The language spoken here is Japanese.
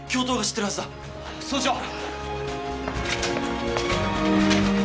そうしよう。